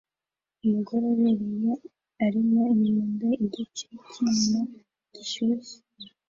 Umugore ubereye arimo inyundo igice cyicyuma gishyushye